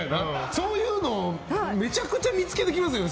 そういうの、めちゃくちゃ見つけてきますよね。